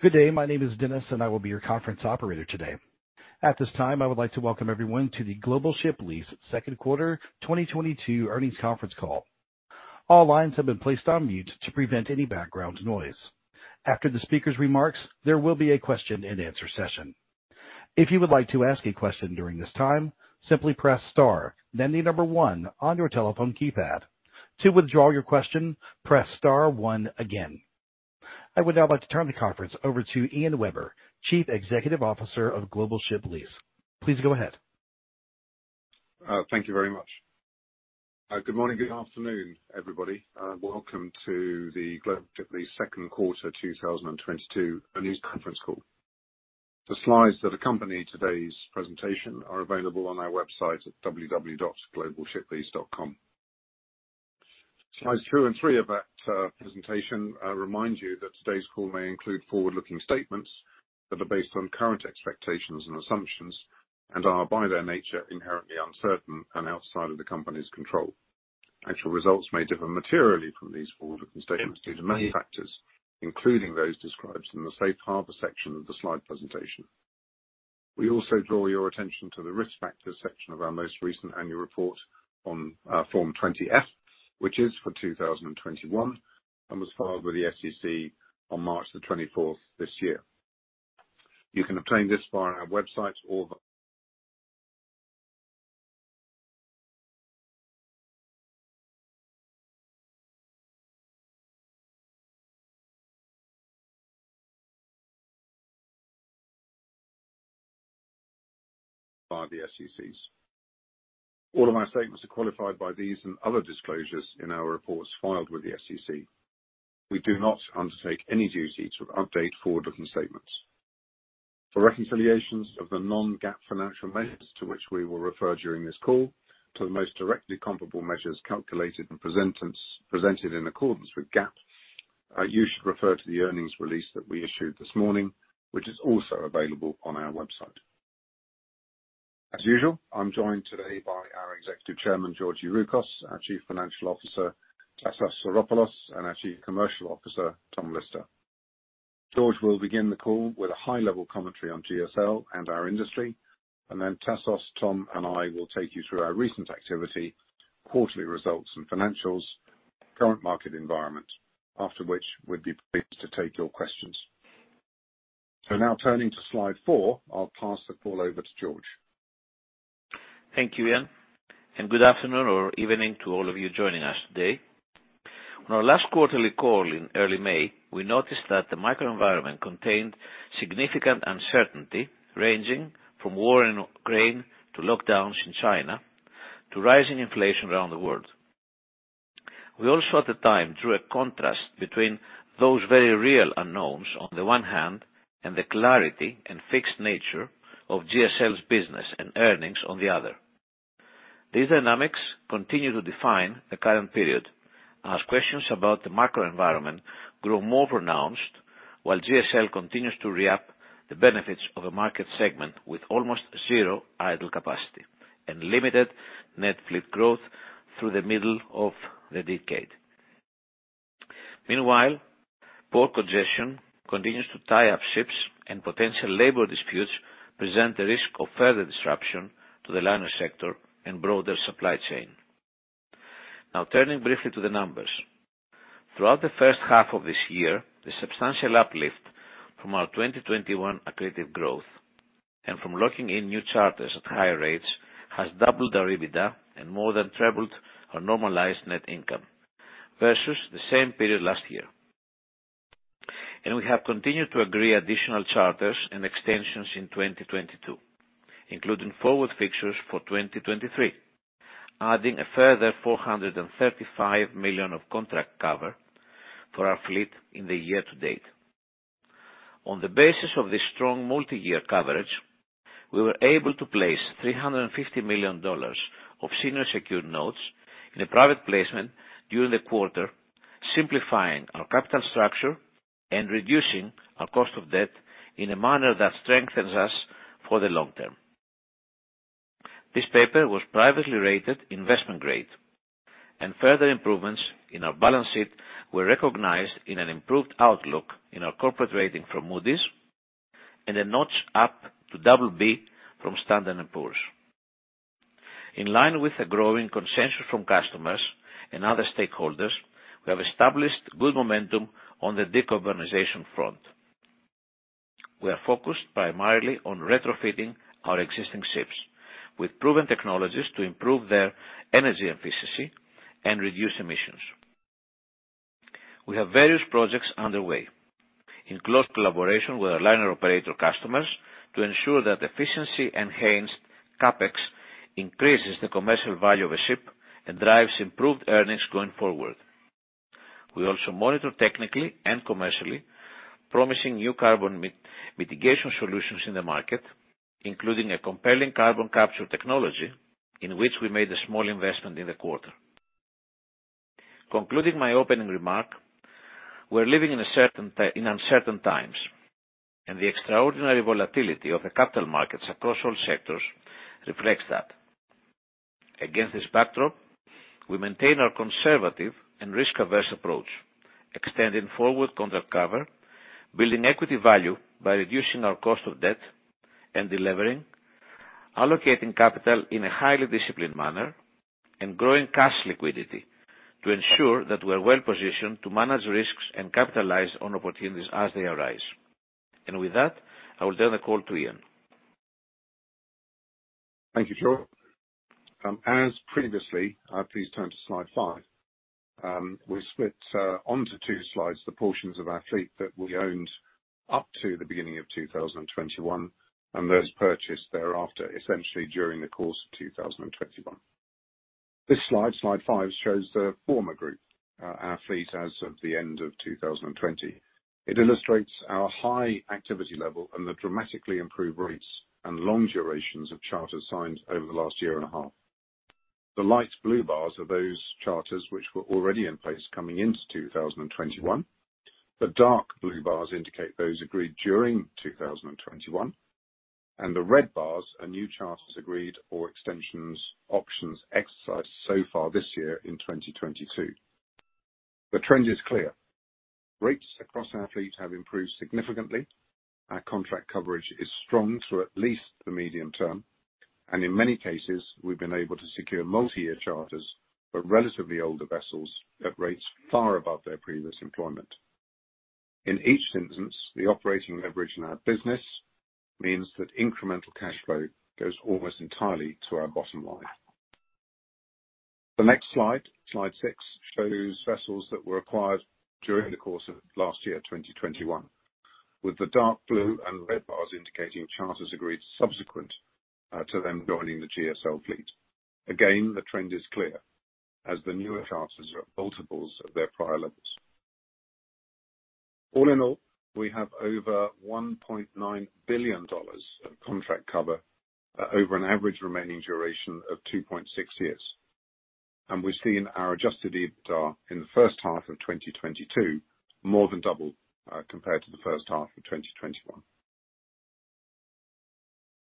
Good day. My name is Dennis, and I will be your conference operator today. At this time, I would like to welcome everyone to the Global Ship Lease Second Quarter 2022 Earnings Conference Call. All lines have been placed on mute to prevent any background noise. After the speaker's remarks, there will be a question-and-answer session. If you would like to ask a question during this time, simply press star then the number one on your telephone keypad. To withdraw your question, press star one again. I would now like to turn the conference over to Ian Webber, Chief Executive Officer of Global Ship Lease. Please go ahead. Thank you very much. Good morning, good afternoon, everybody, and welcome to the Global Ship Lease Second Quarter 2022 Earnings Conference Call. The slides that accompany today's presentation are available on our website at www.globalshiplease.com. Slides two and three of that presentation remind you that today's call may include forward-looking statements that are based on current expectations and assumptions and are, by their nature, inherently uncertain and outside of the company's control. Actual results may differ materially from these forward-looking statements due to many factors, including those described in the Safe Harbor section of the slide presentation. We also draw your attention to the Risk Factors section of our most recent annual report on Form 20-F, which is for 2021 and was filed with the SEC on March 24 this year. You can obtain this via our website or by the SEC's. All of our statements are qualified by these and other disclosures in our reports filed with the SEC. We do not undertake any duty to update forward-looking statements. For reconciliations of the non-GAAP financial measures to which we will refer during this call to the most directly comparable measures calculated and presented in accordance with GAAP, you should refer to the earnings release that we issued this morning, which is also available on our website. As usual, I'm joined today by our Executive Chairman, George Youroukos, our Chief Financial Officer, Tassos Psaropoulos, and our Chief Commercial Officer, Tom Lister. George will begin the call with a high-level commentary on GSL and our industry, and then Tasos, Tom, and I will take you through our recent activity, quarterly results and financials, current market environment, after which we'd be pleased to take your questions. Now turning to slide four, I'll pass the call over to George. Thank you, Ian, and good afternoon or evening to all of you joining us today. On our last quarterly call in early May, we noticed that the microenvironment contained significant uncertainty, ranging from war in Ukraine, to lockdowns in China, to rising inflation around the world. We also, at the time, drew a contrast between those very real unknowns on the one hand and the clarity and fixed nature of GSL's business and earnings on the other. These dynamics continue to define the current period as questions about the macroenvironment grow more pronounced while GSL continues to reap the benefits of a market segment with almost zero idle capacity and limited net fleet growth through the middle of the decade. Meanwhile, port congestion continues to tie up ships and potential labor disputes present a risk of further disruption to the liner sector and broader supply chain. Now turning briefly to the numbers. Throughout the first half of this year, the substantial uplift from our 2021 accretive growth and from locking in new charters at higher rates has doubled our EBITDA and more than trebled our normalized net income versus the same period last year. We have continued to agree additional charters and extensions in 2022, including forward fixtures for 2023, adding a further $435 million of contract cover for our fleet in the year to date. On the basis of this strong multi-year coverage, we were able to place $350 million of senior secured notes in a private placement during the quarter, simplifying our capital structure and reducing our cost of debt in a manner that strengthens us for the long term. This paper was privately rated investment grade, and further improvements in our balance sheet were recognized in an improved outlook in our corporate rating from Moody's and a notch up to double B from Standard & Poor's. In line with the growing consensus from customers and other stakeholders, we have established good momentum on the decarbonization front. We are focused primarily on retrofitting our existing ships with proven technologies to improve their energy efficiency and reduce emissions. We have various projects underway in close collaboration with our liner operator customers to ensure that efficiency-enhanced CapEx increases the commercial value of a ship and drives improved earnings going forward. We also monitor technically and commercially promising new carbon mitigation solutions in the market, including a compelling carbon capture technology in which we made a small investment in the quarter. Concluding my opening remark, we're living in uncertain times, and the extraordinary volatility of the capital markets across all sectors reflects that. Against this backdrop, we maintain our conservative and risk-averse approach, extending forward contract cover, building equity value by reducing our cost of debt and delivering, allocating capital in a highly disciplined manner, and growing cash liquidity to ensure that we're well-positioned to manage risks and capitalize on opportunities as they arise. With that, I will turn the call to Ian. Thank you, George. As previously, please turn to slide five. We split onto two slides the portions of our fleet that we owned up to the beginning of 2021, and those purchased thereafter, essentially during the course of 2021. This slide five, shows the former group, our fleet as of the end of 2020. It illustrates our high activity level and the dramatically improved rates and long durations of charters signed over the last year and a half. The light blue bars are those charters which were already in place coming into 2021. The dark blue bars indicate those agreed during 2021. The red bars are new charters agreed or extensions options exercised so far this year in 2022. The trend is clear. Rates across our fleet have improved significantly. Our contract coverage is strong through at least the medium term, and in many cases, we've been able to secure multi-year charters for relatively older vessels at rates far above their previous employment. In each instance, the operating leverage in our business means that incremental cash flow goes almost entirely to our bottom line. The next slide 6, shows vessels that were acquired during the course of last year, 2021, with the dark blue and red bars indicating charters agreed subsequent to them joining the GSL fleet. Again, the trend is clear, as the newer charters are at multiples of their prior levels. All in all, we have over $1.9 billion of contract cover over an average remaining duration of 2.6 years, and we've seen our adjusted EBITDA in the first half of 2022 more than double, compared to the first half of 2021.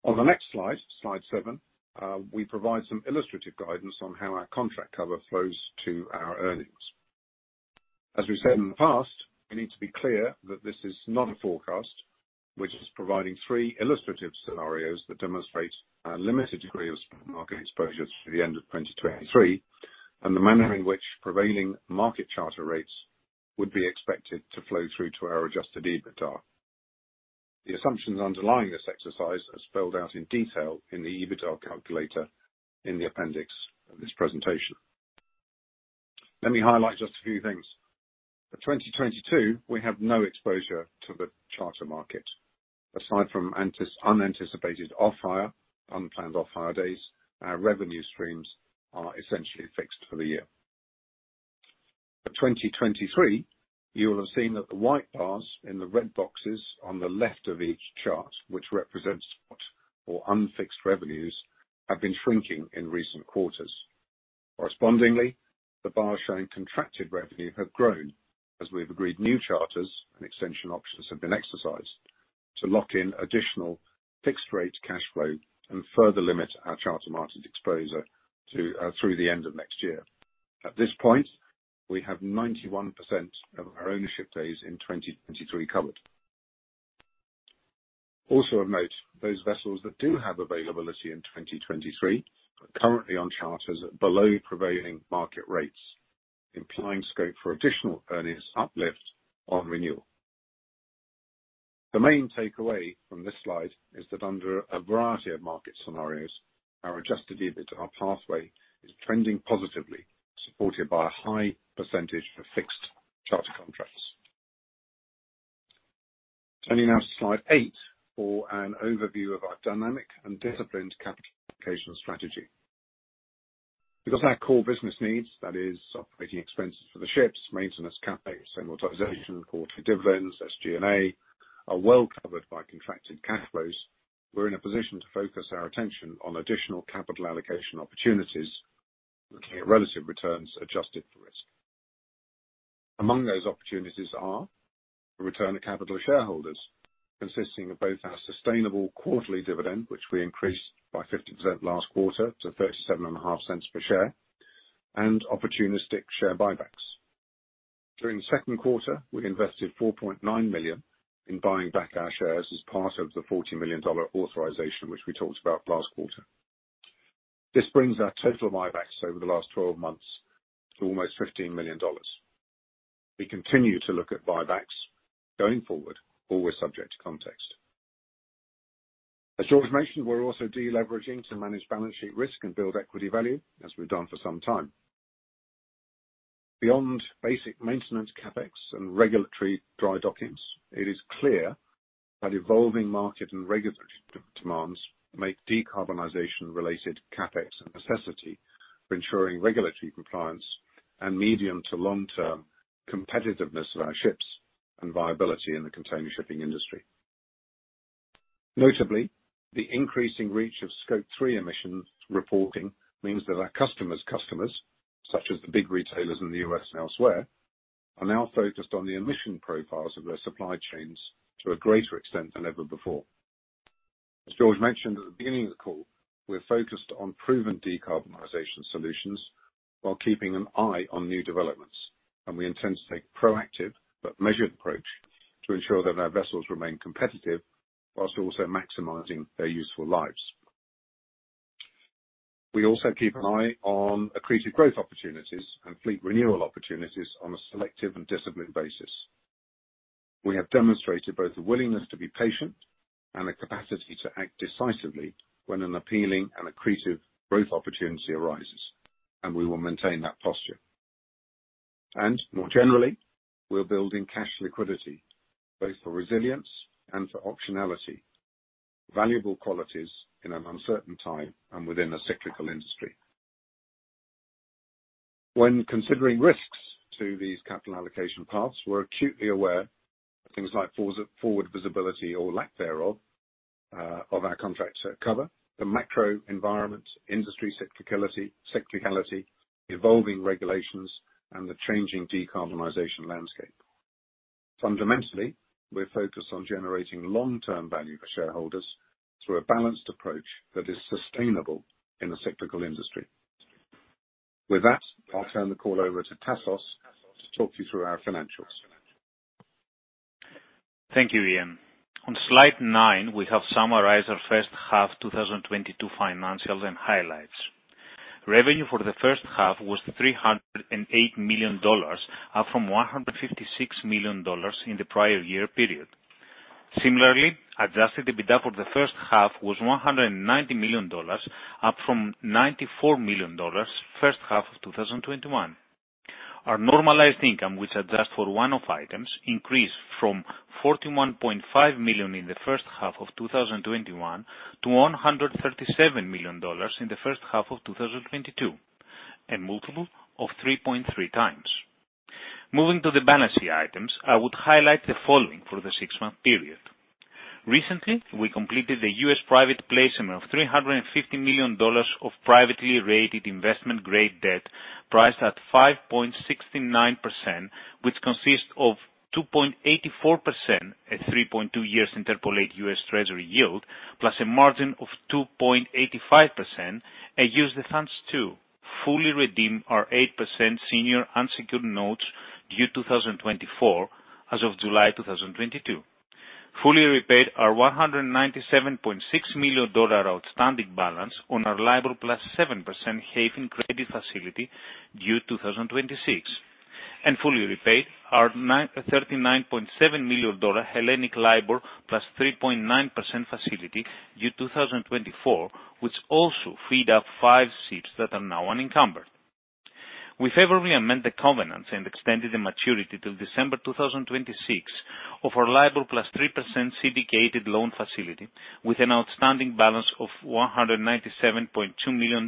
On the next slide seven, we provide some illustrative guidance on how our contract cover flows to our earnings. As we've said in the past, we need to be clear that this is not a forecast. We're just providing three illustrative scenarios that demonstrate our limited degree of spot market exposure through the end of 2023, and the manner in which prevailing market charter rates would be expected to flow through to our adjusted EBITDA. The assumptions underlying this exercise are spelled out in detail in the EBITDA calculator in the appendix of this presentation. Let me highlight just a few things. For 2022, we have no exposure to the charter market. Aside from unanticipated off-hire, unplanned off-hire days, our revenue streams are essentially fixed for the year. For 2023, you will have seen that the white bars in the red boxes on the left of each chart, which represents spot or unfixed revenues, have been shrinking in recent quarters. Correspondingly, the bars showing contracted revenue have grown as we've agreed new charters and extension options have been exercised to lock in additional fixed-rate cash flow and further limit our charter market exposure through the end of next year. At this point, we have 91% of our ownership days in 2023 covered. Those vessels that do have availability in 2023 are currently on charters at below prevailing market rates, implying scope for additional earnings uplift on renewal. The main takeaway from this slide is that under a variety of market scenarios, our adjusted EBITDA pathway is trending positively, supported by a high percentage of fixed charter contracts. Turning now to slide 8 for an overview of our dynamic and disciplined capital allocation strategy. Because our core business needs, that is operating expenses for the ships, maintenance, CapEx, and amortization, cash for dividends, SG&A, are well-covered by contracted cash flows, we're in a position to focus our attention on additional capital allocation opportunities, looking at relative returns adjusted for risk. Among those opportunities are a return to capital shareholders, consisting of both our sustainable quarterly dividend, which we increased by 50% last quarter to $0.375 per share, and opportunistic share buybacks. During the second quarter, we invested $4.9 million in buying back our shares as part of the $40 million authorization, which we talked about last quarter. This brings our total buybacks over the last 12 months to almost $15 million. We continue to look at buybacks going forward, always subject to context. As George mentioned, we're also de-leveraging to manage balance sheet risk and build equity value as we've done for some time. Beyond basic maintenance CapEx and regulatory dry dockings, it is clear that evolving market and regulatory demands make decarbonization-related CapEx a necessity for ensuring regulatory compliance and medium- to long-term competitiveness of our ships and viability in the container shipping industry. Notably, the increasing reach of Scope 3 emissions reporting means that our customers, such as the big retailers in the U.S. and elsewhere, are now focused on the emission profiles of their supply chains to a greater extent than ever before. As George mentioned at the beginning of the call, we're focused on proven decarbonization solutions while keeping an eye on new developments. We intend to take a proactive but measured approach to ensure that our vessels remain competitive while also maximizing their useful lives. We also keep an eye on accretive growth opportunities and fleet renewal opportunities on a selective and disciplined basis. We have demonstrated both the willingness to be patient and the capacity to act decisively when an appealing and accretive growth opportunity arises, and we will maintain that posture. More generally, we're building cash liquidity both for resilience and for optionality, valuable qualities in an uncertain time and within a cyclical industry. When considering risks to these capital allocation paths, we're acutely aware of things like forward visibility or lack thereof, of our contract cover, the macro environment, industry cyclicality, evolving regulations, and the changing decarbonization landscape. Fundamentally, we're focused on generating long-term value for shareholders through a balanced approach that is sustainable in the cyclical industry. With that, I'll turn the call over to Tassos to talk you through our financials. Thank you, Ian. On slide nine, we have summarized our first half 2022 financials and highlights. Revenue for the first half was $308 million, up from $156 million in the prior year period. Similarly, adjusted EBITDA for the first half was $190 million, up from $94 million first half of 2021. Our normalized income, which adjust for one-off items, increased from $41.5 million in the first half of 2021 to $137 million in the first half of 2022, a multiple of 3.3x. Moving to the balance sheet items, I would highlight the following for the six-month period. Recently, we completed the U.S. private placement of $350 million of privately rated investment-grade debt, priced at 5.69%, which consists of 2.84% at 3.2 years interpolated U.S. Treasury yield, plus a margin of 2.85% and use the funds to fully redeem our 8% senior unsecured notes due 2024 as of July 2022. Fully repaid our $197.6 million outstanding balance on our LIBOR + 7% Hayfin credit facility due 2026, and fully repaid our $99.7 million Hellenic LIBOR + 3.9% facility due 2024, which also freed up five ships that are now unencumbered. We favorably amend the covenants and extended the maturity till December 2026 of our LIBOR + 3% syndicated loan facility with an outstanding balance of $197.2 million.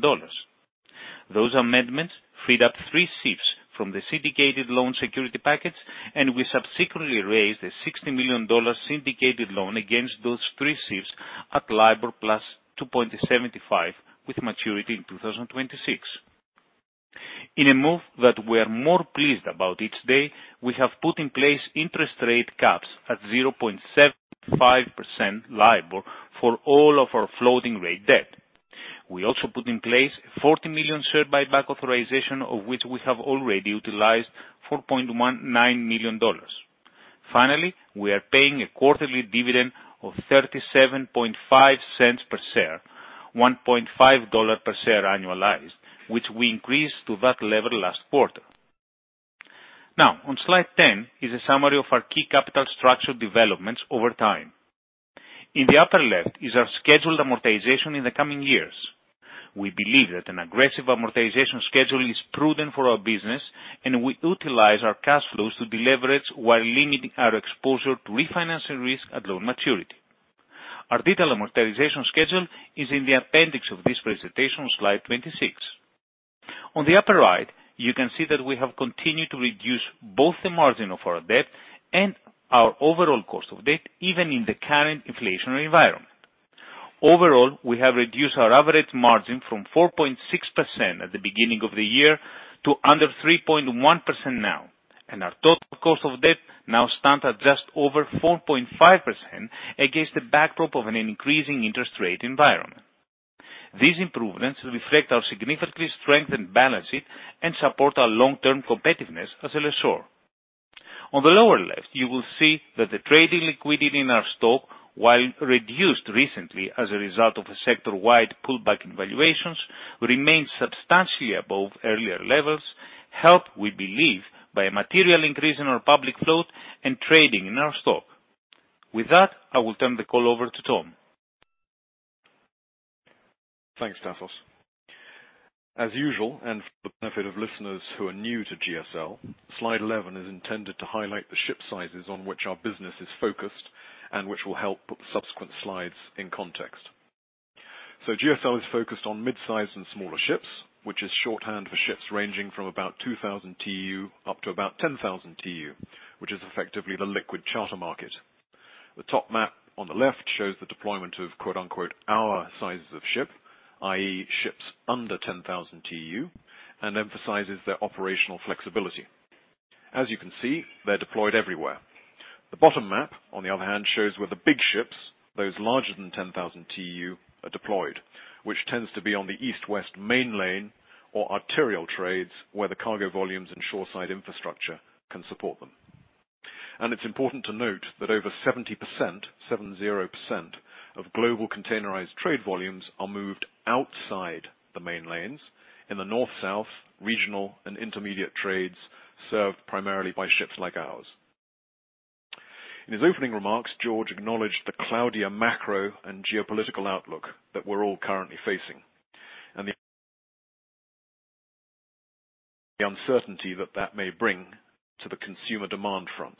Those amendments freed up three ships from the syndicated loan security package, and we subsequently raised a $60 million syndicated loan against those three ships at LIBOR + 2.75% with maturity in 2026. In a move that we are more pleased about each day, we have put in place interest rate caps at 0.75% LIBOR for all of our floating rate debt. We also put in place a 40 million share buyback authorization, of which we have already utilized $4.19 million. Finally, we are paying a quarterly dividend of $0.375 per share, $1.50 per share annualized, which we increased to that level last quarter. Now, on slide 10 is a summary of our key capital structure developments over time. In the upper left is our scheduled amortization in the coming years. We believe that an aggressive amortization schedule is prudent for our business, and we utilize our cash flows to deleverage while limiting our exposure to refinancing risk at loan maturity. Our detailed amortization schedule is in the appendix of this presentation on slide 26. On the upper right, you can see that we have continued to reduce both the margin of our debt and our overall cost of debt, even in the current inflationary environment. Overall, we have reduced our average margin from 4.6% at the beginning of the year to under 3.1% now, and our total cost of debt now stands at just over 4.5% against the backdrop of an increasing interest rate environment. These improvements reflect our significantly strengthened balance sheet and support our long-term competitiveness as a lessor. On the lower left, you will see that the trading liquidity in our stock, while reduced recently as a result of a sector-wide pullback in valuations, remains substantially above earlier levels, helped, we believe, by a material increase in our public float and trading in our stock. With that, I will turn the call over to Tom. Thanks, Tassos. As usual, and for the benefit of listeners who are new to GSL, slide 11 is intended to highlight the ship sizes on which our business is focused and which will help put the subsequent slides in context. GSL is focused on midsize and smaller ships, which is shorthand for ships ranging from about 2,000 TEU up to about 10,000 TEU. Which is effectively the liquid charter market. The top map on the left shows the deployment of quote-unquote, "our sizes of ship," i.e. ships under 10,000 TEU, and emphasizes their operational flexibility. As you can see, they're deployed everywhere. The bottom map, on the other hand, shows where the big ships, those larger than 10,000 TEU, are deployed, which tends to be on the east-west main lane or arterial trades, where the cargo volumes and shoreside infrastructure can support them. It's important to note that over 70%, 70%, of global containerized trade volumes are moved outside the main lanes in the north-south regional and intermediate trades, served primarily by ships like ours. In his opening remarks, George acknowledged the cloudier macro and geopolitical outlook that we're all currently facing, and the uncertainty that that may bring to the consumer demand front.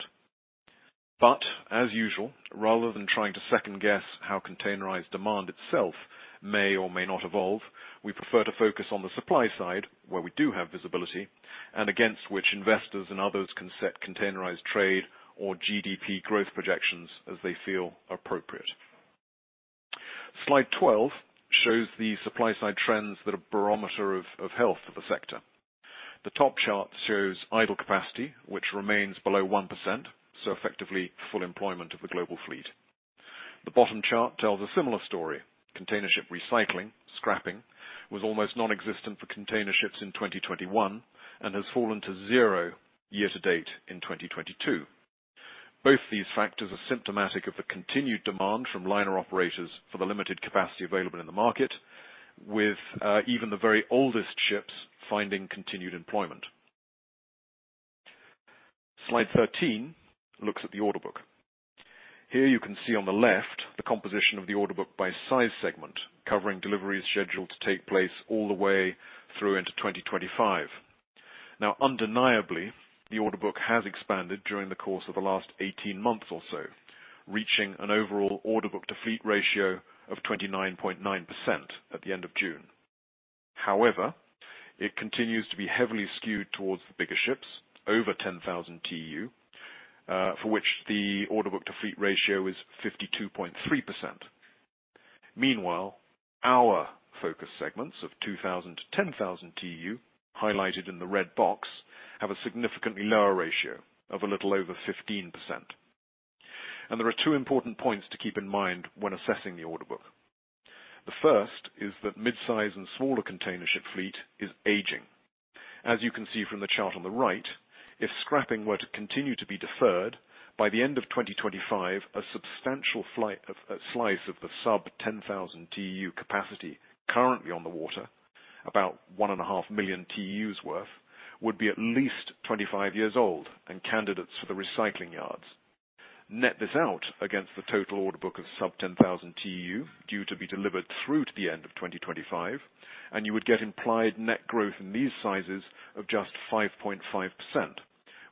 As usual, rather than trying to second-guess how containerized demand itself may or may not evolve, we prefer to focus on the supply side, where we do have visibility, and against which investors and others can set containerized trade or GDP growth projections as they feel appropriate. Slide 12 shows the supply side trends that are a barometer of health of a sector. The top chart shows idle capacity, which remains below 1%, so effectively full employment of the global fleet. The bottom chart tells a similar story. Container ship recycling, scrapping, was almost nonexistent for container ships in 2021 and has fallen to zero year to date in 2022. Both these factors are symptomatic of the continued demand from liner operators for the limited capacity available in the market with even the very oldest ships finding continued employment. Slide 13 looks at the order book. Here you can see on the left the composition of the order book by size segment, covering deliveries scheduled to take place all the way through into 2025. Now undeniably, the order book has expanded during the course of the last 18 months or so, reaching an overall order book to fleet ratio of 29.9% at the end of June. However, it continues to be heavily skewed towards the bigger ships over 10,000 TEU, for which the order book to fleet ratio is 52.3%. Meanwhile, our focus segments of 2,000 to 10,000 TEU, highlighted in the red box, have a significantly lower ratio of a little over 15%. There are two important points to keep in mind when assessing the order book. The first is that mid-size and smaller container ship fleet is aging. As you can see from the chart on the right, if scrapping were to continue to be deferred, by the end of 2025, a substantial slice of the sub-10,000 TEU capacity currently on the water, about 1.5 million TEUs worth, would be at least 25 years old and candidates for the recycling yards. Net this out against the total order book of sub-10,000 TEU due to be delivered through to the end of 2025, and you would get implied net growth in these sizes of just 5.5%,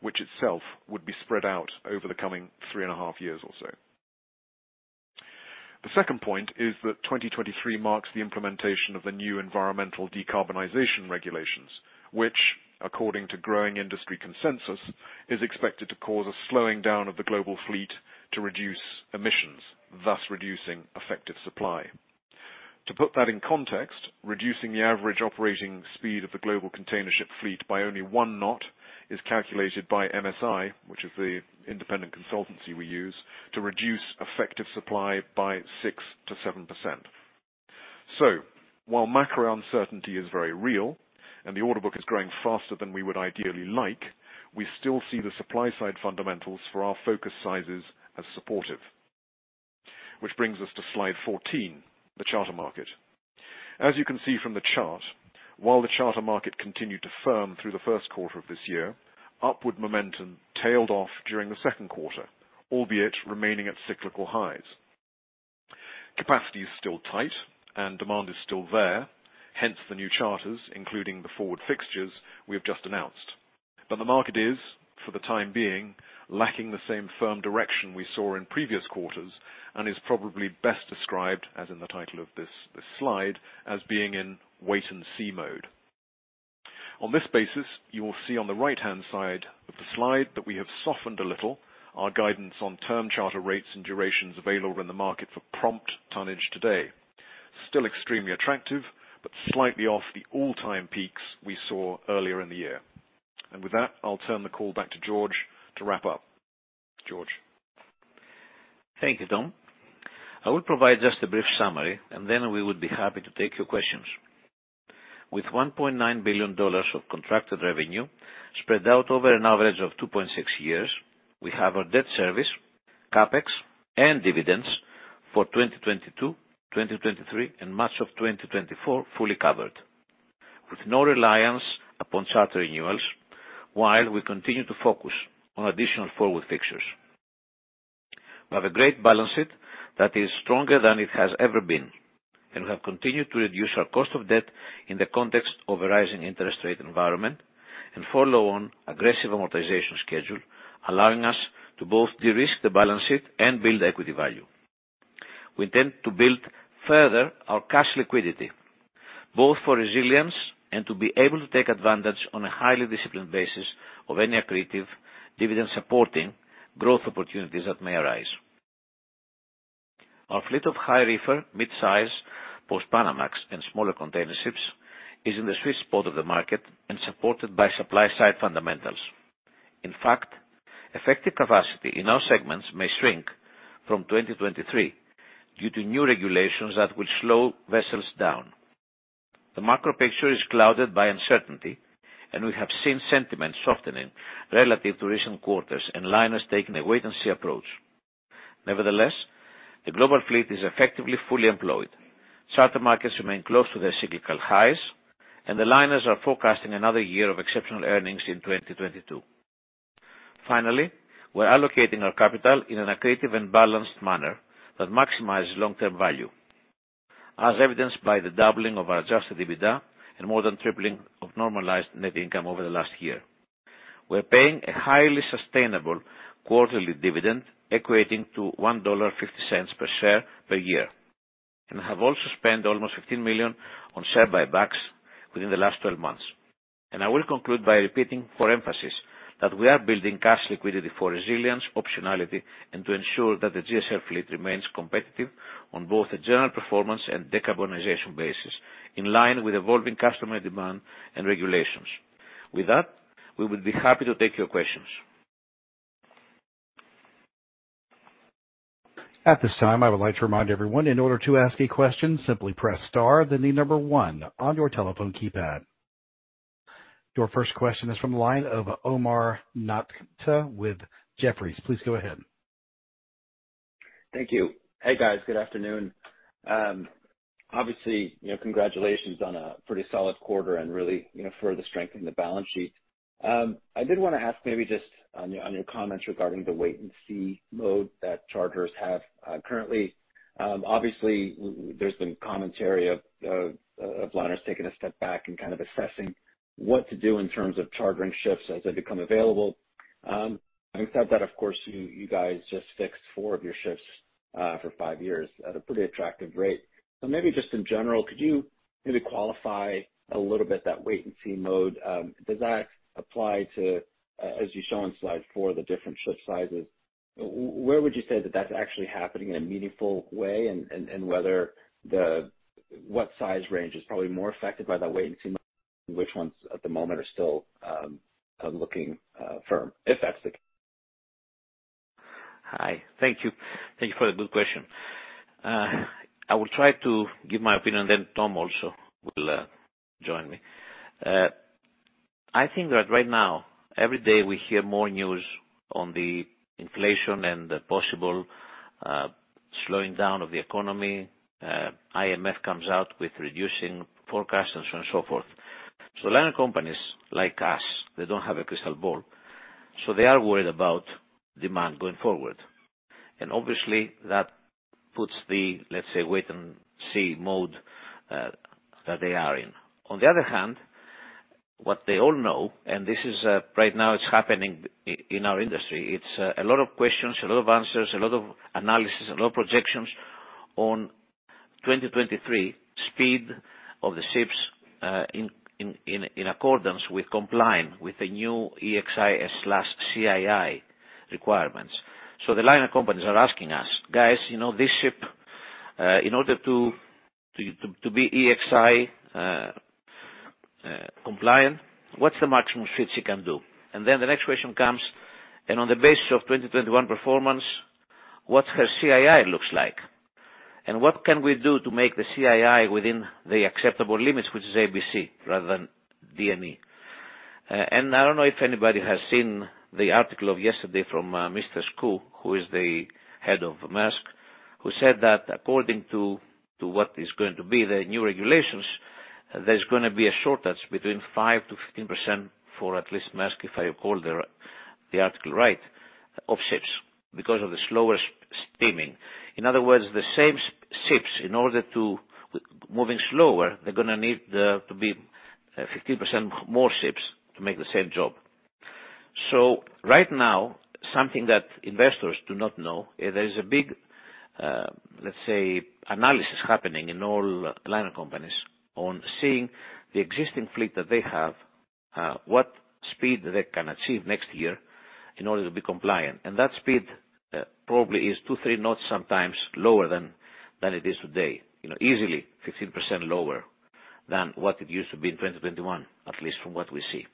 which itself would be spread out over the coming 3.5 years or so. The second point is that 2023 marks the implementation of the new environmental decarbonization regulations, which according to growing industry consensus, is expected to cause a slowing down of the global fleet to reduce emissions, thus reducing effective supply. To put that in context, reducing the average operating speed of the global container ship fleet by only one knot is calculated by MSI, which is the independent consultancy we use, to reduce effective supply by 6%-7%. While macro uncertainty is very real and the order book is growing faster than we would ideally like, we still see the supply side fundamentals for our focus sizes as supportive. Which brings us to slide 14, the charter market. As you can see from the chart, while the charter market continued to firm through the first quarter of this year, upward momentum tailed off during the second quarter, albeit remaining at cyclical highs. Capacity is still tight and demand is still there, hence the new charters, including the forward fixtures we have just announced. The market is, for the time being, lacking the same firm direction we saw in previous quarters and is probably best described, as in the title of this slide, as being in wait and see mode. On this basis, you will see on the right-hand side of the slide that we have softened a little our guidance on term charter rates and durations available in the market for prompt tonnage today. Still extremely attractive, but slightly off the all-time peaks we saw earlier in the year. With that, I'll turn the call back to George to wrap up. George? Thank you, Tom. I will provide just a brief summary and then we would be happy to take your questions. With $1.9 billion of contracted revenue spread out over an average of 2.6 years, we have our debt service, CapEx, and dividends for 2022, 2023, and much of 2024 fully covered with no reliance upon charter renewals while we continue to focus on additional forward fixtures. We have a great balance sheet that is stronger than it has ever been, and we have continued to reduce our cost of debt in the context of a rising interest rate environment and following an aggressive amortization schedule, allowing us to both de-risk the balance sheet and build equity value. We intend to build further our cash liquidity, both for resilience and to be able to take advantage on a highly disciplined basis of any accretive dividend supporting growth opportunities that may arise. Our fleet of high reefer, mid-size Post-Panamax and smaller container ships is in the sweet spot of the market and supported by supply side fundamentals. In fact, effective capacity in our segments may shrink from 2023 due to new regulations that will slow vessels down. The macro picture is clouded by uncertainty, and we have seen sentiment softening relative to recent quarters and liners taking a wait-and-see approach. Nevertheless, the global fleet is effectively fully employed. Charter markets remain close to their cyclical highs, and the liners are forecasting another year of exceptional earnings in 2022. Finally, we're allocating our capital in an accretive and balanced manner that maximizes long-term value, as evidenced by the doubling of our adjusted EBITDA and more than tripling of normalized net income over the last year. We're paying a highly sustainable quarterly dividend equating to $1.50 per share per year, and have also spent almost $15 million on share buybacks within the last 12 months. I will conclude by repeating for emphasis that we are building cash liquidity for resilience, optionality, and to ensure that the GSL fleet remains competitive on both a general performance and decarbonization basis in line with evolving customer demand and regulations. With that, we will be happy to take your questions. At this time, I would like to remind everyone, in order to ask a question, simply press star then the number one on your telephone keypad. Your first question is from the line of Omar Nokta with Jefferies. Please go ahead. Thank you. Hey, guys. Good afternoon. Obviously, congratulations on a pretty solid quarter and really further strengthening the balance sheet. I did wanna ask maybe just on your comments regarding the wait-and-see mode that charters have, currently. Obviously there's been commentary of liners taking a step back and kind of assessing what to do in terms of chartering ships as they become available. I mean, except that, of course, you guys just fixed 4 of your ships for 5 years at a pretty attractive rate. Maybe just in general, could you maybe qualify a little bit that wait-and-see mode? Does that apply to, as you show on Slide 4, the different ship sizes? Where would you say that that's actually happening in a meaningful way and whether the. What size range is probably more affected by the wait-and-see mode and which ones at the moment are still looking firm, if that's the case? Hi. Thank you. Thank you for the good question. I will try to give my opinion, then Tom also will join me. I think that right now, every day we hear more news on the inflation and the possible slowing down of the economy. IMF comes out with reducing forecasts and so on and so forth. Liner companies like us, they don't have a crystal ball, so they are worried about demand going forward. Obviously that puts the, let's say, wait-and-see mode that they are in. On the other hand, what they all know, and this is right now it's happening in our industry, it's a lot of questions, a lot of answers, a lot of analysis, a lot of projections on 2023 speed of the ships, in accordance with complying with the new EEXI/CII requirements. The liner companies are asking us, "Guys, this ship, in order to be EEXI compliant, what's the maximum speed it can do?" Then the next question comes, "On the basis of 2021 performance, what her CII looks like? And what can we do to make the CII within the acceptable limits, which is ABC rather than D&E?" I don't know if anybody has seen the article of yesterday from Mr. Skou, who is the Head of Maersk, who said that according to what is going to be the new regulations, there's gonna be a shortage of 5%-15% for at least Maersk, if I recall the article right, of ships because of the slower slow steaming. In other words, the same ships, in order to be moving slower, they're gonna need to be 15% more ships to make the same job. Right now, something that investors do not know, there is a big, let's say, analysis happening in all liner companies on seeing the existing fleet that they have, what speed they can achieve next year in order to be compliant. That speed probably is 2, 3 knots sometimes lower than it is today. Easily 15% lower than what it used to be in 2021, at least from what we see.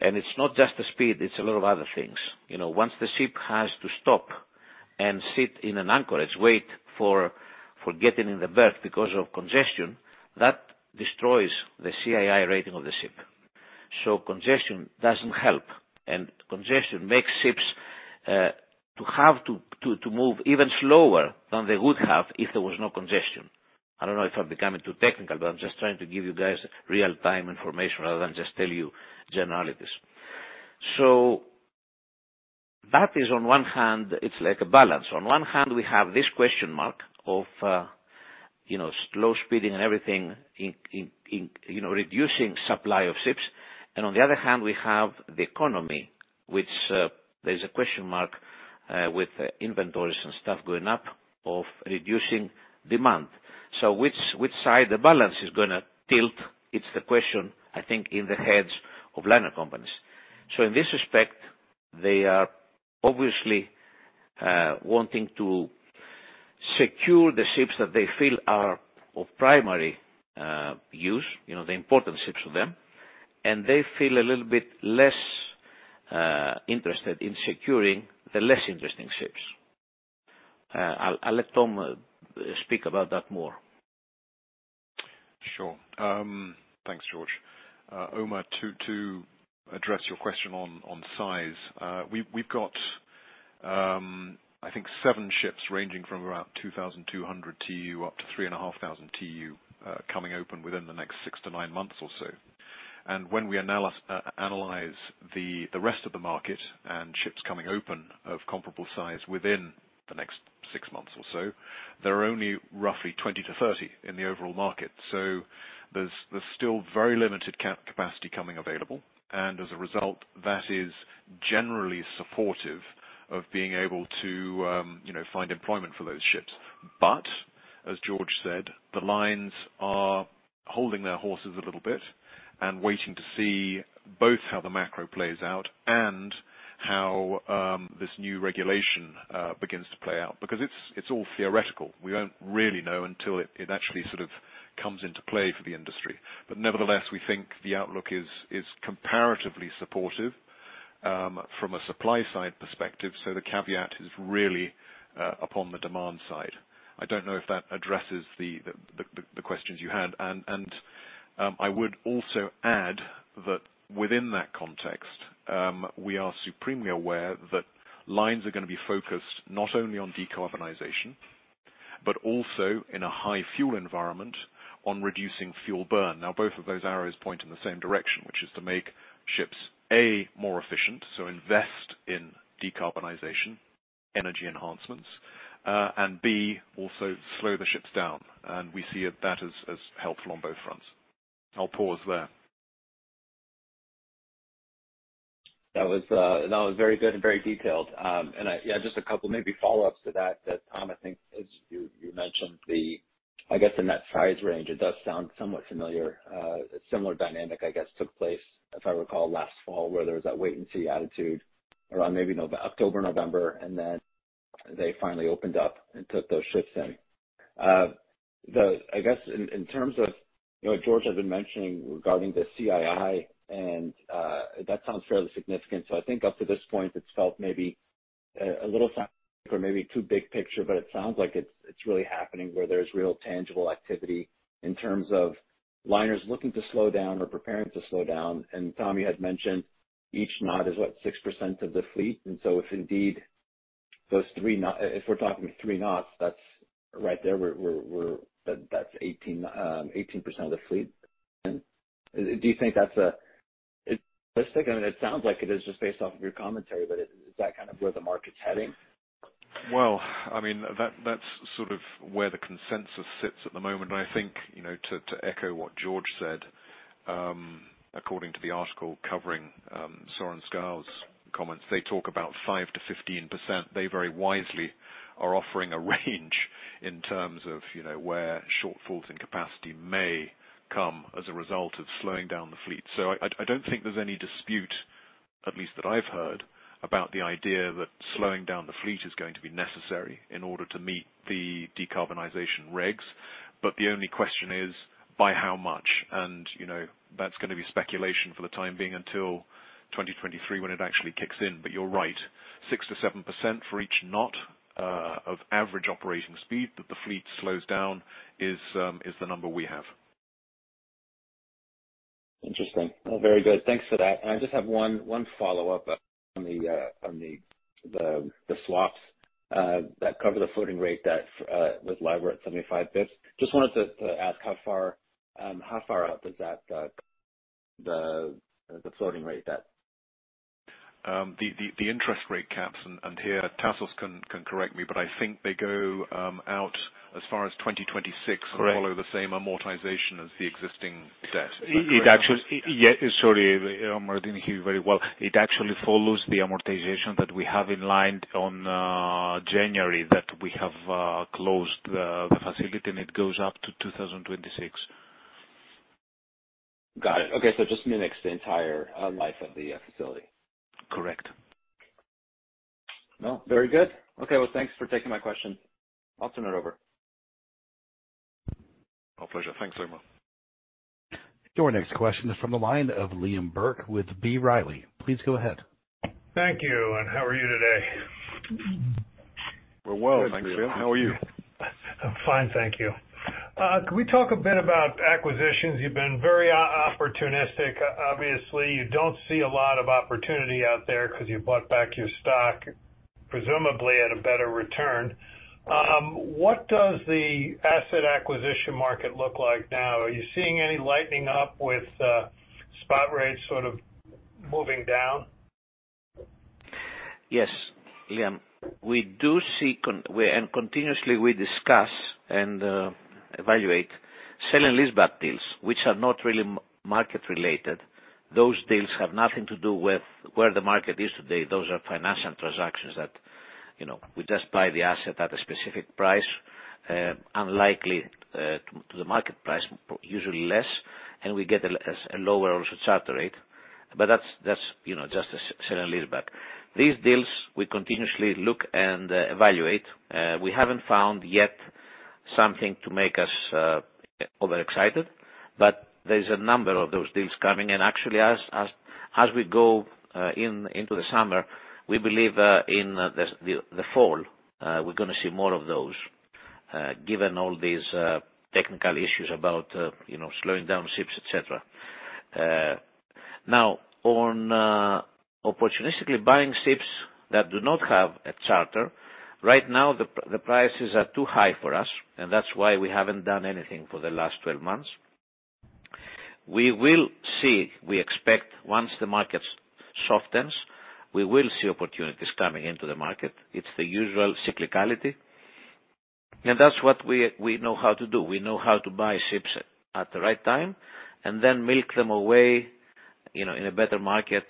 It's not just the speed, it's a lot of other things. Once the ship has to stop and sit in an anchorage, wait for getting in the berth because of congestion, that destroys the CII rating of the ship. Congestion doesn't help, and congestion makes ships to have to move even slower than they would have if there was no congestion. I don't know if I'm becoming too technical, but I'm just trying to give you guys real-time information rather than just tell you generalities. That is on one hand, it's like a balance. On one hand, we have this question mark of slow steaming and everything in reducing supply of ships. On the other hand, we have the economy, which there's a question mark with inventories and stuff going up or reducing demand. Which side the balance is gonna tilt, it's the question, I think, in the heads of liner companies. In this respect, they are obviously wanting to secure the ships that they feel are of primary use. The important ships to them. They feel a little bit less interested in securing the less interesting ships. I'll let Tom speak about that more. Sure. Thanks, George. Omar, to address your question on size. We've got, I think seven ships ranging from around 2,200 TEU up to 3,500 TEU, coming open within the next 6 to 9 months or so. When we analyze the rest of the market, and ships coming open of comparable size within the next 6 months or so, there are only roughly 20-30 in the overall market. There's still very limited capacity coming available, and as a result, that is generally supportive of being able to find employment for those ships. As George said, the lines are holding their horses a little bit and waiting to see both how the macro plays out and how this new regulation begins to play out. Because it's all theoretical. We won't really know until it actually sort of comes into play for the industry. Nevertheless, we think the outlook is comparatively supportive from a supply-side perspective. The caveat is really upon the demand side. I don't know if that addresses the questions you had. I would also add that within that context, we are supremely aware that lines are gonna be focused not only on decarbonization, but also in a high fuel environment, on reducing fuel burn. Now, both of those arrows point in the same direction, which is to make ships A more efficient, so invest in decarbonization, energy enhancements. And B, also slow the ships down. We see that as helpful on both fronts. I'll pause there. That was very good and very detailed. Yeah, just a couple maybe follow-ups to that, Tom. I think as you mentioned the net size range, it does sound somewhat familiar. A similar dynamic took place, if I recall, last fall, where there was that wait-and-see attitude around maybe October, November, and then they finally opened up and took those ships in. I guess in terms of George has been mentioning regarding the CII and that sounds fairly significant. So I think up to this point, it's felt maybe a little or maybe too big picture, but it sounds like it's really happening, where there's real tangible activity in terms of liners looking to slow down or preparing to slow down. Tom, you had mentioned each knot is, what, 6% of the fleet. If we're talking three knots, that's right there. That's 18% of the fleet. Do you think that it sounds like it is just based off of your commentary, but is that kind of where the market's heading? Well, that's sort of where the consensus sits at the moment. I think to echo what George said, according to the article covering Søren Skou's comments, they talk about 5%-15%. They very wisely are offering a range in terms of where shortfalls in capacity may come as a result of slowing down the fleet. I don't think there's any dispute, at least that I've heard, about the idea that slowing down the fleet is going to be necessary in order to meet the decarbonization regs. The only question is by how much. That's gonna be speculation for the time being until 2023 when it actually kicks in. You're right, 6%-7% for each knot of average operating speed that the fleet slows down is the number we have. Interesting. Well, very good. Thanks for that. I just have one follow-up on the swaps that cover the floating rate that was live at 75 basis points. Just wanted to ask how far out does the floating rate that- The interest rate caps, and here Tassos can correct me, but I think they go out as far as 2026. Correct. Follow the same amortization as the existing debt. YeahSorry, Omar, I didn't hear you very well. It actually follows the amortization that we have in line on January that we have closed the facility and it goes up to 2026. Got it. Okay. Just mimics the entire life of the facility. Correct. Well, very good. Okay, well, thanks for taking my question. I'll turn it over. My pleasure. Thanks, Omar. Your next question is from the line of Liam Burke with B. Riley. Please go ahead. Thank you, and how are you today? We're well, thank you. How are you? I'm fine, thank you. Can we talk a bit about acquisitions? You've been very opportunistic. Obviously, you don't see a lot of opportunity out there 'cause you bought back your stock, presumably at a better return. What does the asset acquisition market look like now? Are you seeing any lightening up with spot rates sort of moving down? Yes, Liam, we continuously discuss and evaluate sell and leaseback deals, which are not really market-related. Those deals have nothing to do with where the market is today. Those are financial transactions that we just buy the asset at a specific price unlikely to the market price, usually less, and we get a lease at a lower charter rate. That's just a sell and leaseback. These deals we continuously look and evaluate. We haven't found yet something to make us overexcited, but there's a number of those deals coming. Actually as we go into the summer, we believe in the fall, we're gonna see more of those given all these technical issues about slowing down ships et cetera. Now on opportunistically buying ships that do not have a charter, right now the prices are too high for us, and that's why we haven't done anything for the last 12 months. We will see, we expect once the market softens, we will see opportunities coming into the market. It's the usual cyclicality, and that's what we know how to do. We know how to buy ships at the right time and then milk them away in a better market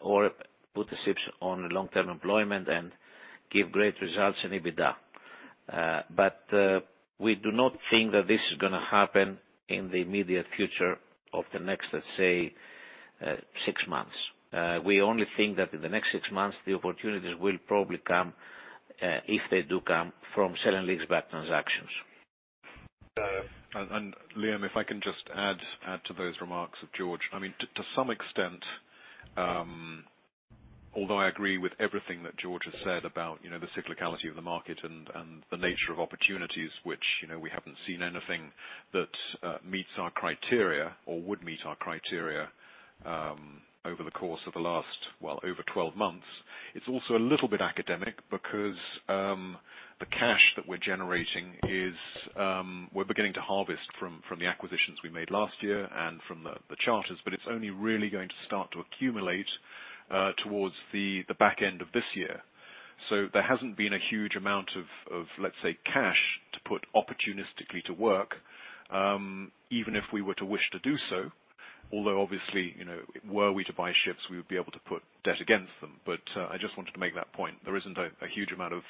or put the ships on long-term employment and give great results in EBITDA. We do not think that this is gonna happen in the immediate future of the next, let's say, six months. We only think that in the next six months, the opportunities will probably come, if they do come from sale and leaseback transactions. Liam, if I can just add to those remarks of George. To some extent, although I agree with everything that George has said about the cyclicality of the market and the nature of opportunities, which we haven't seen anything that meets our criteria or would meet our criteria, over the course of the last, well over 12 months, it's also a little bit academic because the cash that we're generating is, we're beginning to harvest from the acquisitions we made last year and from the charters, but it's only really going to start to accumulate towards the back end of this year. There hasn't been a huge amount of let's say cash to put opportunistically to work, even if we were to wish to do so, although obviously, were we to buy ships, we would be able to put debt against them. I just wanted to make that point. There isn't a huge amount of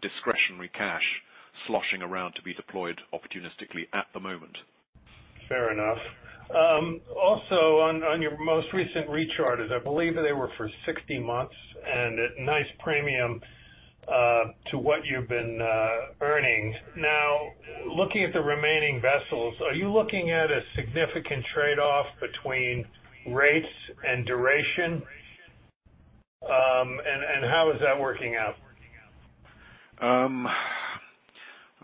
discretionary cash sloshing around to be deployed opportunistically at the moment. Fair enough. Also on your most recent recharters, I believe that they were for 60 months and at nice premium to what you've been earning. Now, looking at the remaining vessels, are you looking at a significant trade-off between rates and duration? How is that working out?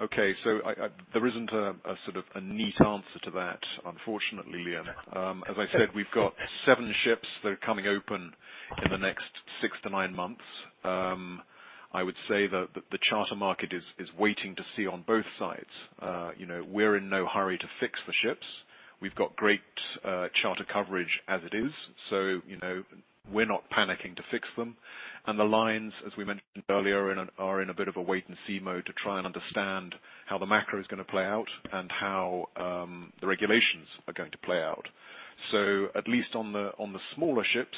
Okay, there isn't a neat answer to that, unfortunately, Liam. As I said, we've got 7 ships that are coming open in the next 6-9 months. I would say that the charter market is waiting to see on both sides. We're in no hurry to fix the ships. We've got great charter coverage as it is, you know, we're not panicking to fix them. The lines, as we mentioned earlier, are in a bit of a wait and see mode to try and understand how the macro is gonna play out and how the regulations are going to play out. At least on the smaller ships,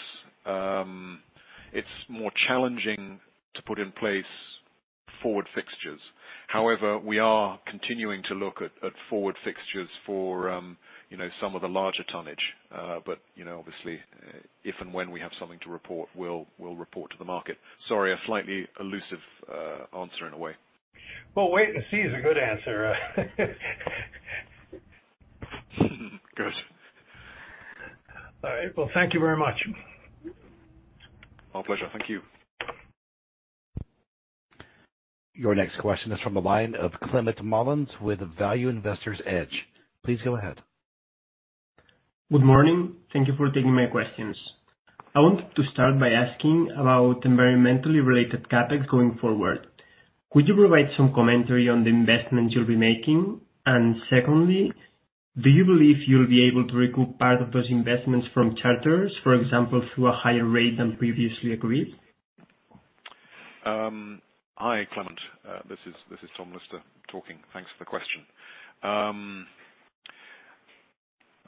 it's more challenging to put in place forward fixtures. However, we are continuing to look at forward fixtures for, you know, some of the larger tonnage. You know, obviously, if and when we have something to report, we'll report to the market. Sorry, a slightly elusive answer in a way. Well, wait and see is a good answer. Good. All right. Well, thank you very much. My pleasure. Thank you. Your next question is from the line of Climent Molins with Value Investors Edge. Please go ahead. Good morning. Thank you for taking my questions. I want to start by asking about environmentally related CapEx going forward. Could you provide some commentary on the investments you'll be making? Secondly, do you believe you'll be able to recoup part of those investments from charters, for example, through a higher rate than previously agreed? Hi, Climent. This is Tom Lister talking. Thanks for the question.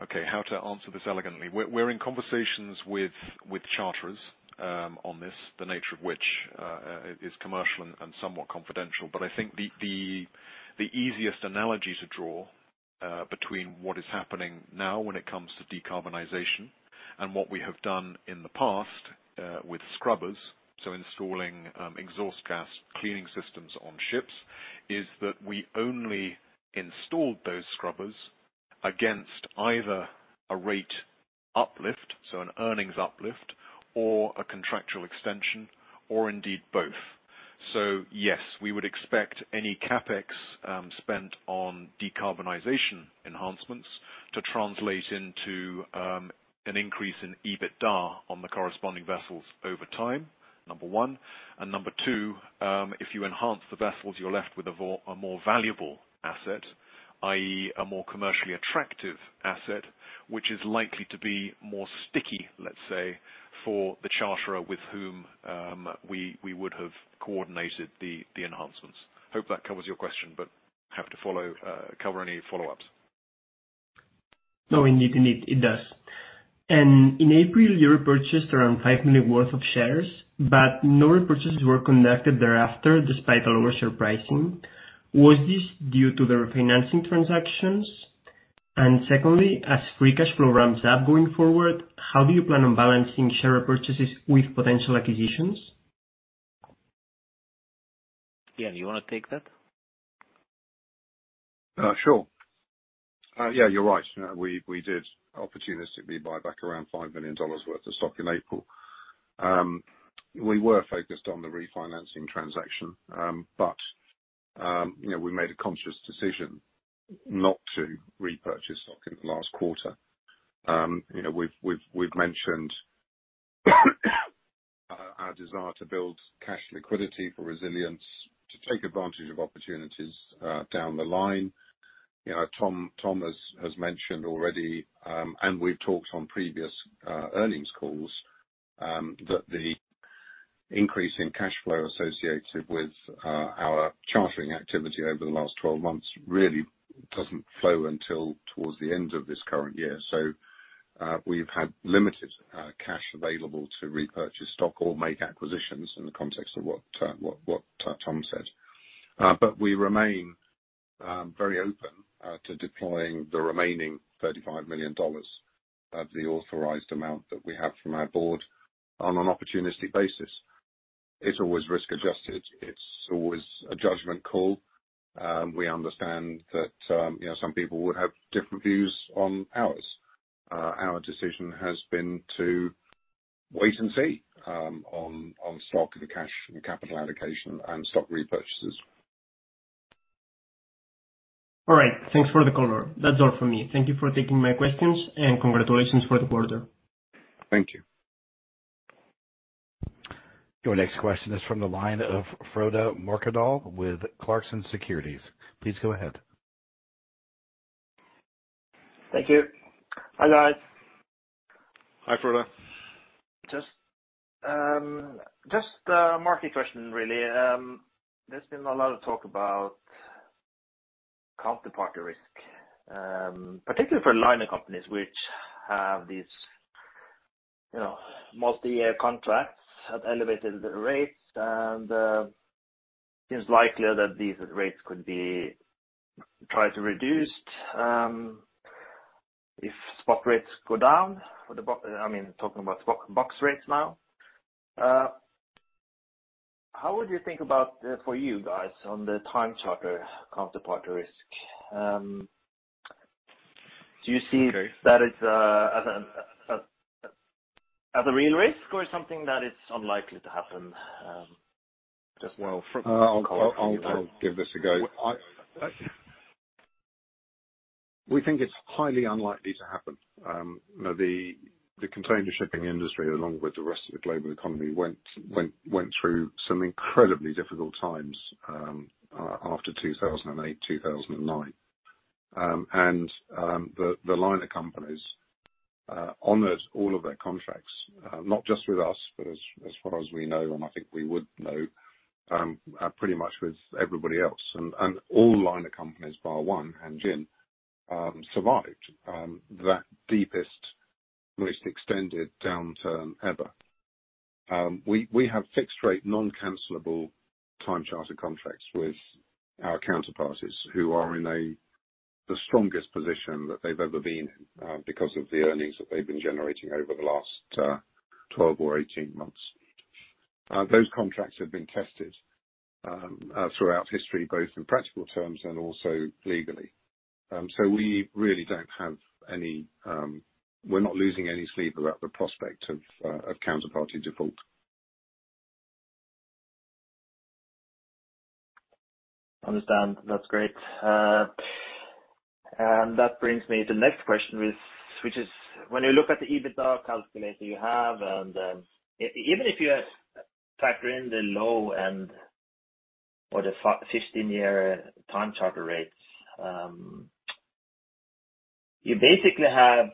Okay, how to answer this elegantly. We're in conversations with charterers on this, the nature of which is commercial and somewhat confidential. I think the easiest analogy to draw between what is happening now when it comes to decarbonization and what we have done in the past with scrubbers, so installing exhaust gas cleaning systems on ships, is that we only installed those scrubbers against either a rate uplift, so an earnings uplift, or a contractual extension, or indeed both. Yes, we would expect any CapEx spent on decarbonization enhancements to translate into an increase in EBITDA on the corresponding vessels over time, number one. Number two, if you enhance the vessels, you're left with a more valuable asset, i.e., a more commercially attractive asset, which is likely to be more sticky, let's say, for the charterer with whom we would have coordinated the enhancements. Hope that covers your question, but happy to follow, cover any follow-ups. Indeed it does. In April you repurchased around $5 million worth of shares, but no repurchases were conducted thereafter despite a lower share price. Was this due to the refinancing transactions? Secondly, as free cash flow ramps up going forward, how do you plan on balancing share repurchases with potential acquisitions? Ian, you want to take that? Sure. You're right. We did opportunistically buy back around $5 million worth of stock in April. We were focused on the refinancing transaction, but we made a conscious decision not to repurchase stock in the last quarter. We've mentioned our desire to build cash liquidity for resilience to take advantage of opportunities down the line. Tom has mentioned already, and we've talked on previous earnings calls that the increase in cash flow associated with our chartering activity over the last 12 months really doesn't flow until towards the end of this current year. We've had limited cash available to repurchase stock or make acquisitions in the context of what Tom said. We remain very open to deploying the remaining $35 million of the authorized amount that we have from our board on an opportunistic basis. It's always risk adjusted, it's always a judgment call. We understand that you know, some people would have different views on ours. Our decision has been to wait and see on stock, the cash and capital allocation and stock repurchases. All right. Thanks for the color. That's all for me. Thank you for taking my questions, and congratulations for the quarter. Thank you. Your next question is from the line of Frode Mørkedal with Clarksons Securities. Please go ahead. Thank you. Hi, guys. Hi, Frode. Just a market question really. There's been a lot of talk about counterparty risk, particularly for liner companies which have these, you know, multiyear contracts at elevated rates. Seems likelier that these rates could be tried to reduce, if spot rates go down, I mean, talking about spot box rates now. How would you think about for you guys on the time charter counterparty risk? Do you see- Okay. that as a real risk or something that is unlikely to happen, just. Well, I'll give this a go. We think it's highly unlikely to happen. You know, the container shipping industry, along with the rest of the global economy, went through some incredibly difficult times after 2008, 2009. The liner companies honored all of their contracts, not just with us, but as far as we know, and I think we would know, pretty much with everybody else. All the liner companies, bar one, Hanjin, survived that deepest, most extended downturn ever. We have fixed-rate, non-cancelable time charter contracts with our counterparties who are in the strongest position that they've ever been in, because of the earnings that they've been generating over the last 12 or 18 months. Those contracts have been tested throughout history, both in practical terms and also legally. We really don't have any. We're not losing any sleep about the prospect of counterparty default. Understand. That's great. That brings me to the next question, which is when you look at the EBITDA calculator you have, and even if you factor in the low end or the 15-year time charter rates, you basically have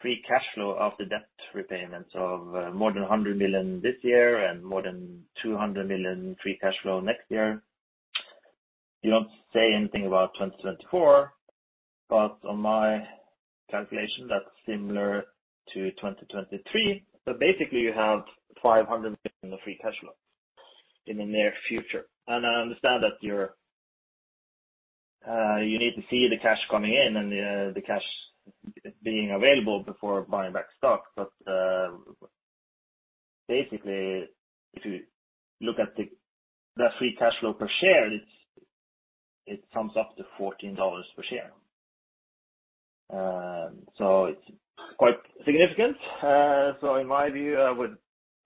free cash flow of the debt repayments of more than $100 million this year and more than $200 million free cash flow next year. You don't say anything about 2024, but on my calculation, that's similar to 2023. Basically you have $500 million of free cash flow in the near future. I understand that you're you need to see the cash coming in and the cash being available before buying back stock. Basically, if you look at the free cash flow per share, it's it sums up to $14 per share. It's quite significant. In my view, I would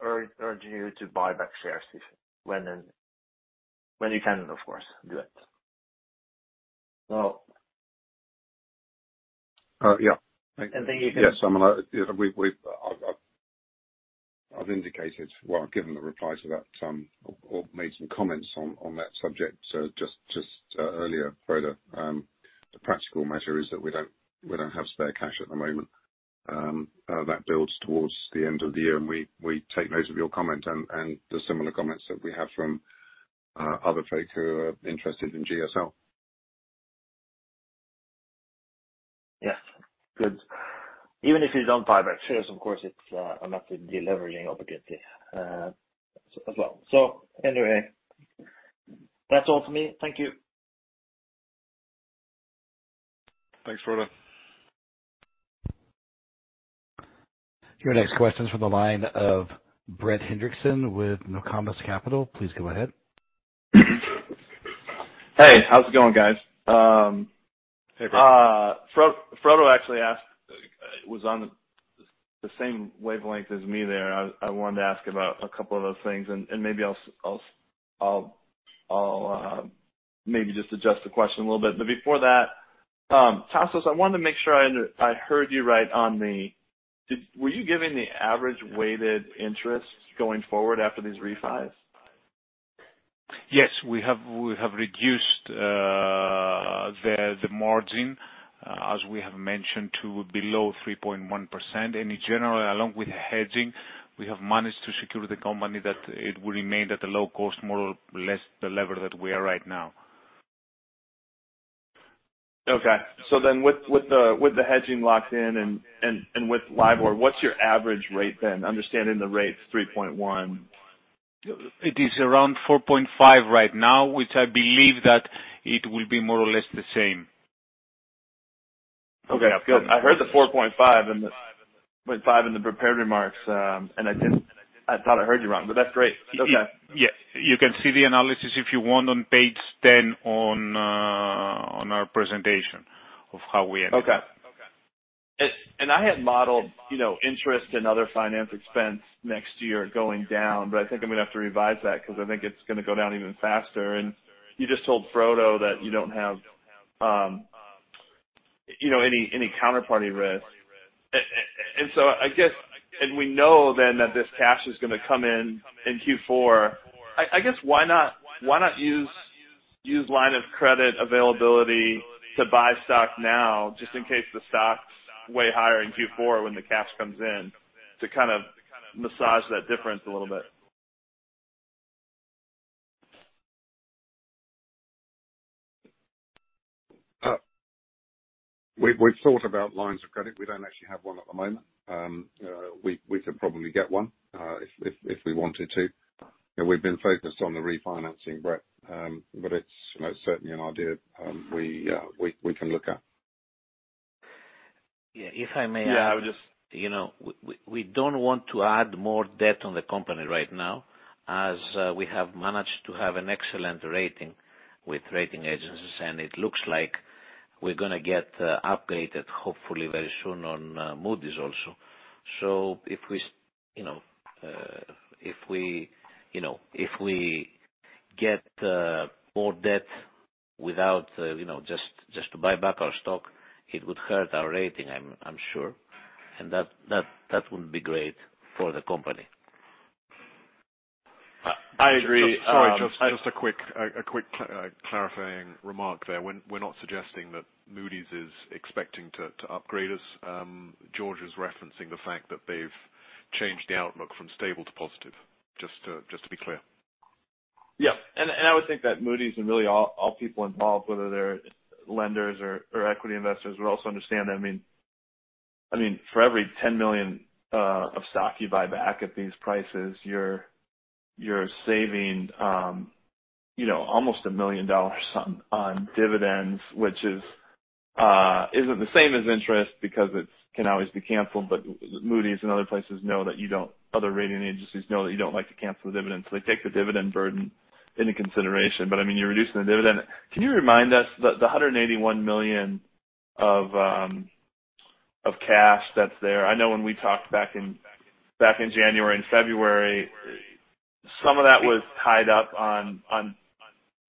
urge you to buy back shares if, when and you can, of course, do it. Yes. I've given a reply to that, Tom, or made some comments on that subject just earlier, Frode. The practical matter is that we don't have spare cash at the moment. That builds towards the end of the year, and we take note of your comment and the similar comments that we have from other folks who are interested in GSL. Yes. Good. Even if it's on buyback shares, of course, it's another de-leveraging opportunity as well. Anyway, that's all for me. Thank you. Thanks, Frode. Your next question's from the line of Brett Hendrickson with Nokomis Capital. Please go ahead. Hey, how's it going, guys? Hey, Brett. Frode actually asked. Was on the same wavelength as me there. I wanted to ask about a couple of those things, and maybe I'll just adjust the question a little bit. Before that, Tassos, I wanted to make sure I heard you right on the. Were you giving the average weighted interest going forward after these refis? Yes. We have reduced the margin, as we have mentioned, to below 3.1%. In general, along with hedging, we have managed to secure the company that it will remain at a low-cost, more or less the level that we are right now. Okay. With the hedging locked in and with LIBOR, what's your average rate then? Understanding the rate's 3.1%. It is around 4.5% right now, which I believe that it will be more or less the same. Okay, good. I heard 0.5% in the prepared remarks, and I just, I thought I heard you wrong, but that's great. Okay. Yeah. You can see the analysis if you want on page 10 of our presentation of how we ended up. Okay. I had modeled, you know, interest and other finance expense next year going down, but I think I'm gonna have to revise that 'cause I think it's gonna go down even faster. You just told Frode Mørkedal that you don't have, you know, any counterparty risk. I guess we know then that this cash is gonna come in in Q4. I guess why not use line of credit availability to buy stock now just in case the stock's way higher in Q4 when the cash comes in to kind of massage that difference a little bit? We've thought about lines of credit. We don't actually have one at the moment. We could probably get one if we wanted to. You know, we've been focused on the refinancing, Brett, but it's, you know, certainly an idea we can look at. Yeah, if I may add. You know, we don't want to add more debt on the company right now, as we have managed to have an excellent rating with rating agencies, and it looks like we're gonna get upgraded hopefully very soon on Moody's also. If we, you know, get more debt without, you know, just to buy back our stock, it would hurt our rating, I'm sure, and that wouldn't be great for the company. I agree. Sorry, just a quick clarifying remark there. We're not suggesting that Moody's is expecting to upgrade us. George is referencing the fact that they've changed the outlook from stable to positive, just to be clear. Yeah. I would think that Moody's and really all people involved, whether they're lenders or equity investors, would also understand that. I mean, for every $10 million of stock you buy back at these prices, you're saving, you know, almost $1 million on dividends, which isn't the same as interest because it can always be canceled. Moody's and other rating agencies know that you don't like to cancel the dividends. They take the dividend burden into consideration. I mean, you're reducing the dividend. Can you remind us the $181 million of cash that's there? I know when we talked back in January and February, some of that was tied up on.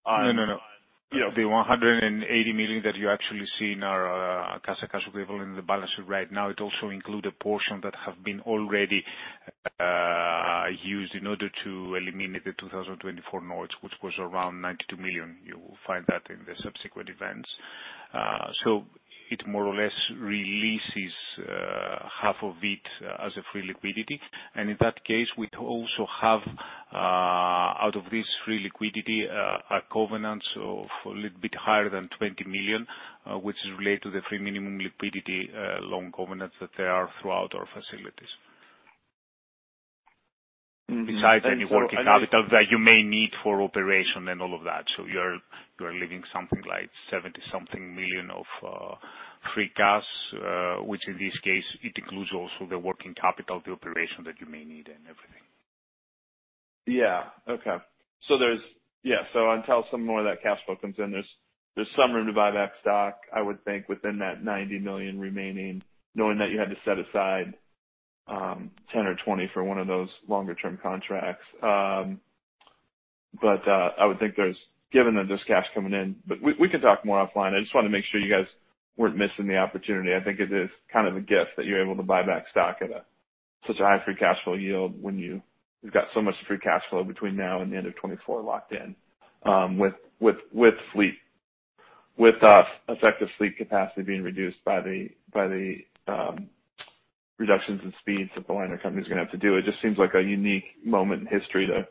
No. The $180 million that you actually see in our cash equivalent in the balance sheet right now, it also include a portion that have been already used in order to eliminate the 2024 notes, which was around $92 million. You will find that in the subsequent events. It more or less releases half of it as a free liquidity. In that case, we also have out of this free liquidity a covenants of a little bit higher than $20 million, which is related to the free minimum liquidity loan covenants that there are throughout our facilities. Besides any working capital that you may need for operation and all of that. You're leaving something like $70-something million of free cash, which in this case it includes also the working capital, the operation that you may need and everything. Until some more of that cash flow comes in, there's some room to buy back stock, I would think, within that $90 million remaining, knowing that you had to set aside $10 or $20 for one of those longer-term contracts. I would think there's. Given that there's cash coming in. We can talk more offline. I just wanted to make sure you guys weren't missing the opportunity. I think it is kind of a gift that you're able to buy back stock at such a high free cash flow yield when you've got so much free cash flow between now and the end of 2024 locked in with fleet. With effective fleet capacity being reduced by the reductions in speed that the liner company is gonna have to do. It just seems like a unique moment in history to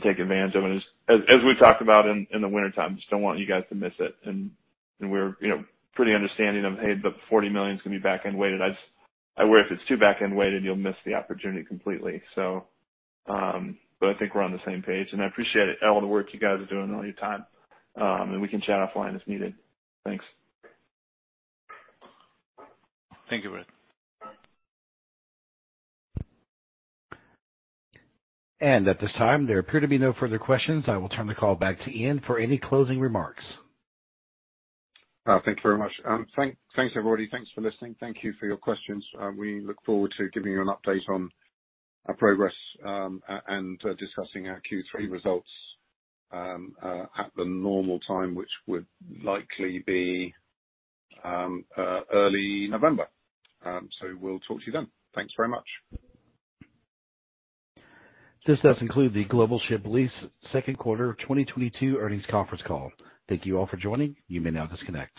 take advantage of. As we've talked about in the wintertime, just don't want you guys to miss it. We're, you know, pretty understanding of, hey, the $40 million is gonna be back-end weighted. I just I worry if it's too back-end weighted, you'll miss the opportunity completely. I think we're on the same page, and I appreciate all the work you guys are doing, all your time. We can chat offline as needed. Thanks. Thank you, Brett. At this time, there appear to be no further questions. I will turn the call back to Ian for any closing remarks. Thank you very much. Thanks, everybody. Thanks for listening. Thank you for your questions. We look forward to giving you an update on our progress and discussing our Q3 results at the normal time, which would likely be early November. We'll talk to you then. Thanks very much. This does conclude the Global Ship Lease Second Quarter 2022 Earnings Conference Call. Thank you all for joining. You may now disconnect.